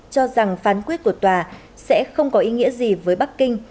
cho rằng phán quyết của tòa sẽ không có ý nghĩa gì với bắc kinh